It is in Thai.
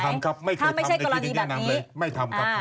ทำครับไม่เคยทำในที่ดินแนะนำเลยไม่ทำครับ